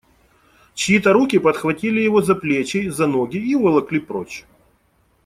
Чьи-то руки подхватили его за плечи, за ноги и уволокли прочь.